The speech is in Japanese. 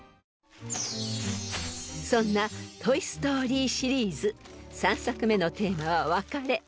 ［そんな『トイ・ストーリー』シリーズ３作目のテーマは別れ］